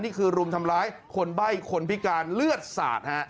รุมทำร้ายคนใบ้คนพิการเลือดสาดฮะ